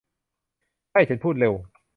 ใช่ ฉันพูดเร็ว